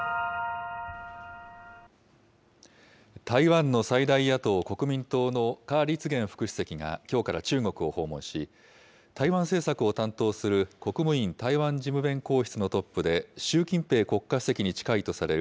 台湾の最大野党・国民党の夏立言副主席がきょうから中国を訪問し、台湾政策を担当する、国務院台湾事務弁公室のトップで、習近平国家主席に近いとされる宋涛